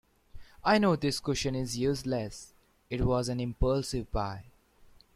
I know this cushion is useless, it was an impulsive buy.